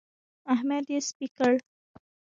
احمد يې سپي کړ.